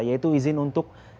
yaitu izin untuk